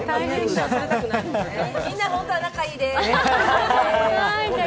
みんなホントは仲いいでーす。